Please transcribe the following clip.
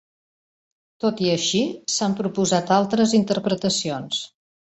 Tot i així, s"han proposat altres interpretacions.